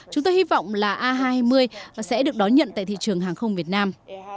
chúng tôi hy vọng là a hai trăm hai mươi sẽ được đón nhận tại thị trường hàng không việt nam